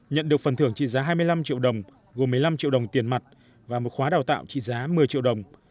nhận được phần thưởng trị giá hai mươi năm triệu đồng gồm một mươi năm triệu đồng tiền mặt và một khóa đào tạo trị giá một mươi triệu đồng